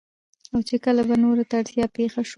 او چې کله به نورو ته اړتيا پېښه شوه